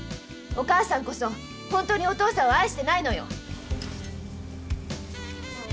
お母さんこそ本当にお父さんを愛してないのよ！